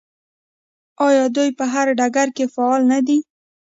آیا دوی په هر ډګر کې فعالې نه دي؟